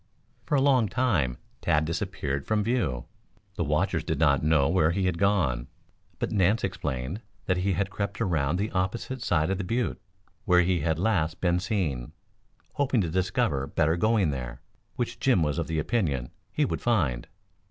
For a long time Tad disappeared from view. The watchers did not know where he had gone, but Nance explained that he had crept around the opposite side of the butte where he had last been seen, hoping to discover better going there, which Jim was of the opinion he would find.